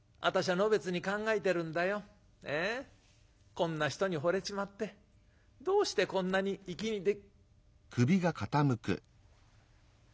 こんな人にほれちまってどうしてこんなに粋にで』」。